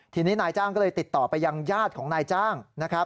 ทีนี้นายจ้างก็เลยติดต่อไปยังญาติของนายจ้างนะครับ